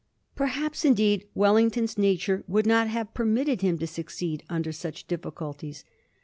Perhaps, in deed, Wellington's nature would not have permitted him to succeed under such difficulties.